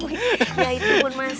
ya itu pun mas